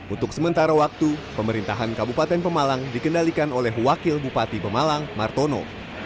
untuk sementara waktu pemerintahan kabupaten pemalang dikendalikan oleh wakil bupati pemalang martono